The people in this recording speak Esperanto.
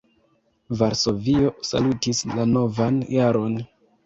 Varsovio salutis la novan jaron.